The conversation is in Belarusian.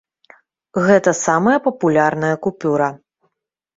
Гэта самая папулярная купюра.